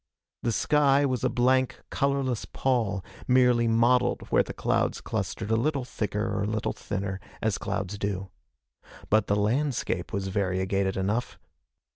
The sky was a blank, colorless pall, merely mottled where the clouds clustered a little thicker or a little thinner, as clouds do. But the landscape was variegated enough!